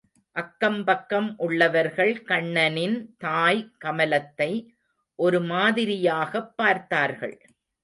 அக்கம் பக்கம் உள்ளவர்கள் கண்ணனின் தாய் கமலத்தை ஒரு மாதிரியாகப் பார்த்தார்கள்.